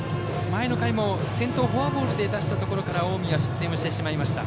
前の回も先頭をフォアボールで出したところから近江は失点をしてしまいました。